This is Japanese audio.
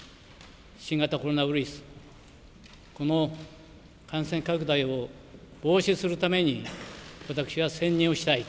新型コロナウイルス、この感染拡大を防止するために私は専念をしたい。